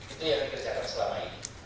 itu yang dikerjakan selama ini